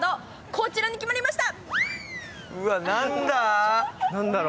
こちらに決まりました。